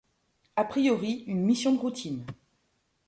A priori, une mission de routine.